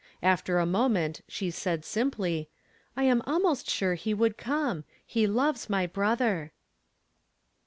After a moment she said simply, " I am almost sure he would come. He loves my brother."